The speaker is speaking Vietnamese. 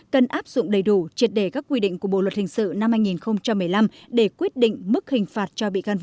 cần áp dụng đầy đủ triệt đề các quy định của bộ luật hình sự năm hai nghìn một mươi năm để quyết định mức hình phạt cho bị can vũ